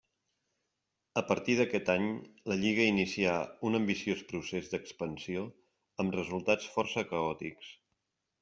A partir d'aquest any la lliga inicià un ambiciós procés d'expansió amb resultats força caòtics.